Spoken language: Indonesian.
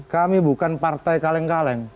kami bukan partai kaleng kaleng